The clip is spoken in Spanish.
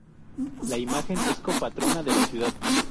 La imagen es Copatrona de la ciudad.